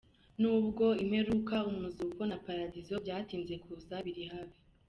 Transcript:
Nubwo imperuka, umuzuko na paradizo byatinze kuza, biri hafi.